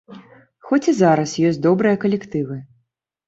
Хоць і зараз ёсць добрыя калектывы.